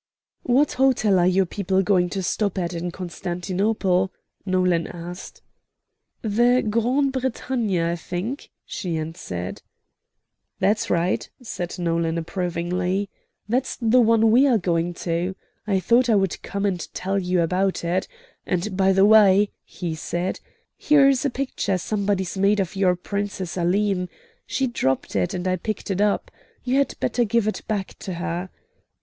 "What hotel are your people going to stop at in Constantinople?" Nolan asked. "The Grande Bretagne, I think," she answered. "That's right," said Nolan, approvingly. "That's the one we are going to. I thought I would come and tell you about it. And, by the way," he said, "here's a picture somebody's made of your Princess Aline. She dropped it, and I picked it up. You had better give it back to her.